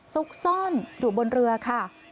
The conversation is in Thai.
ซุกซ่อนอยู่บนเรือค่ะ